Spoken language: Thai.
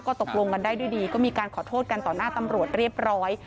ตกลงกันได้ด้วยดีก็มีการขอโทษกันต่อหน้าตำรวจเรียบร้อย